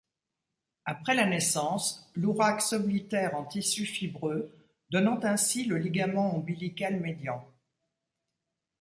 Après la naissance, l'ouraque s'oblitère en tissu fibreux, donnant ainsi le ligament ombilical médian.